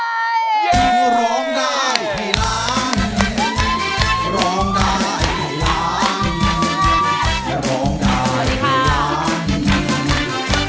ถ้าอยากผิดหายมากนี่คือคำสูจน์ว่า